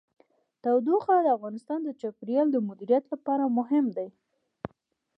تودوخه د افغانستان د چاپیریال د مدیریت لپاره مهم دي.